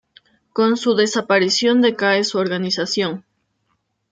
Con su desaparición decae su organización.